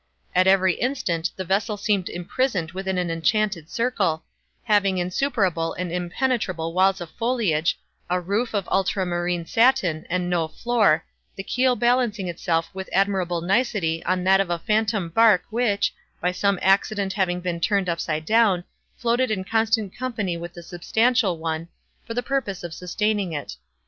At every instant the vessel seemed imprisoned within an enchanted circle, having insuperable and impenetrable walls of foliage, a roof of ultramarine satin, and no floor—the keel balancing itself with admirable nicety on that of a phantom bark which, by some accident having been turned upside down, floated in constant company with the substantial one, for the purpose of sustaining it.